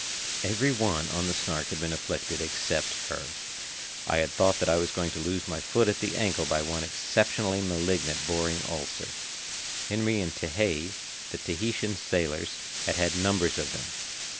Every one on the Snark had been afflicted except her. I had thought that I was going to lose my foot at the ankle by one exceptionally malignant boring ulcer. Henry and Tehei, the Tahitian sailors, had had numbers of them.